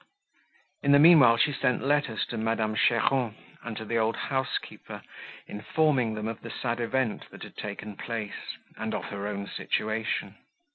In the meanwhile, she sent letters to Madame Cheron and to the old housekeeper, informing them of the sad event, that had taken place, and of her own situation.